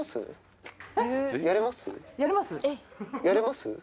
やれます？